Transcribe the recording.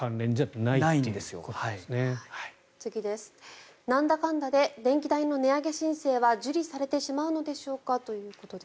なんだかんだで電気代の値上げ申請は受理されてしまうのでしょうかということです。